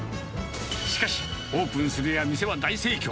しかし、オープンするや、店は大盛況。